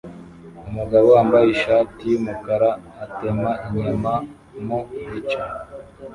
Umugabo wambaye ishati yumukara atema inyama mo ibice